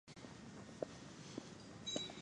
دا زموږ د ټولو ګډه بریا ده.